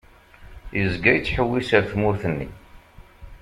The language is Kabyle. Yezga yettḥewwis ar tmurt-nni.